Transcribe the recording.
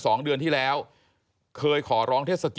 ถ้าเขาถูกจับคุณอย่าลืม